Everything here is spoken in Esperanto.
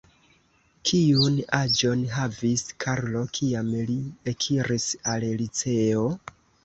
Kiun aĝon havis Karlo, kiam li ekiris al liceo?